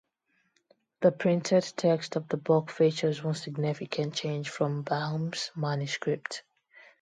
The printed text of the book features one significant change from Baum's manuscript.